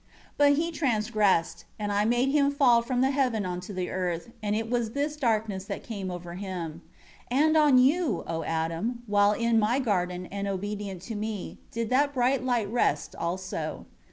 5 But he transgressed, and I made him fall from the heaven onto the earth; and it was this darkness that came over him. 6 And on you, O Adam, while in My garden and obedient to Me, did that bright light rest also.